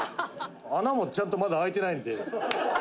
「穴もちゃんとまだ開いてないんで」